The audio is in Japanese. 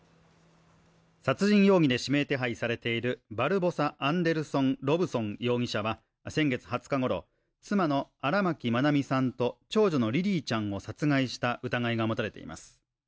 殺人容疑で指名手配されているバルボサ・アンデルソン・ロブソン容疑者は、先月２０日ごろ、妻の荒牧愛美さんと長女のリリィちゃんを殺害した疑いが持たれています。